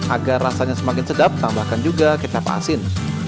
agar rasanya semakin sedap tambahkan juga kecap asin